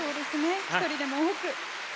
一人でも多く。